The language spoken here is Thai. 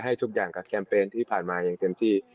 ทุกอย่างกับแคมเปญที่ผ่านมาอย่างเต็มที่